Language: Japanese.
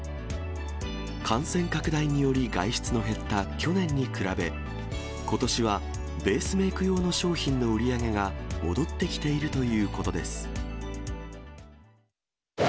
感染拡大により外出の減った去年に比べ、ことしはベースメーク用の商品の売り上げが戻ってきているということです。